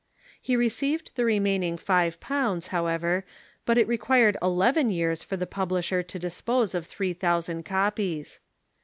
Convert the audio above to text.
He received the remaining five pounds, how ever, but it required eleven years for the publisher to dispose of three thousand copies.